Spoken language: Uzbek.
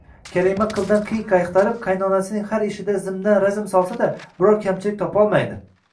Karima qildan qiyiq axtarib, qaynonasining har ishiga zimdan razm solsa-da, biror kamchilik topolmaydi